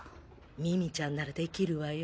ミミちゃんならできるわよ。